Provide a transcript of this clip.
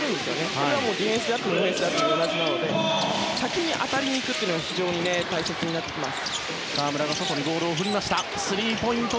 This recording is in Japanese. それはディフェンスであってもオフェンスであっても同じで先に当たりに行くことが非常に大切になってきます。